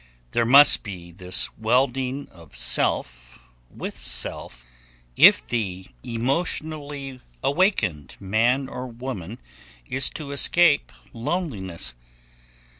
There must be this welding of self with self if the emotionally awakened man or woman is to escape loneliness.